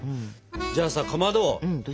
じゃあさかまど。